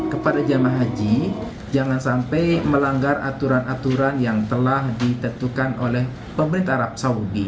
kepada jemaah haji jangan sampai melanggar aturan aturan yang telah ditentukan oleh pemerintah arab saudi